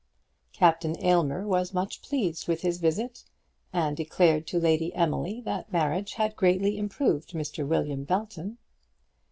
Captain Aylmer was much pleased with his visit, and declared to Lady Emily that marriage had greatly improved Mr. William Belton.